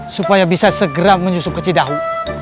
supaya bisa segera menyusup ke cidahu